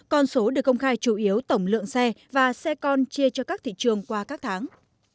con số được công khai chủ yếu tổng lượng xe và xe con chia cho các thị trường qua các tháng